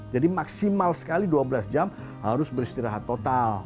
jadi maksimal sekali dua belas jam harus beristirahat total